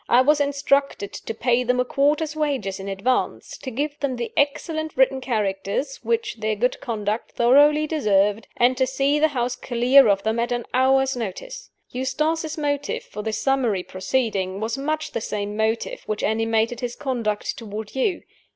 I was instructed to pay them a quarter's wages in advance, to give them the excellent written characters which their good conduct thoroughly deserved, and to see the house clear of them at an hour's notice. Eustace's motive for this summary proceeding was much the same motive which animated his conduct toward you.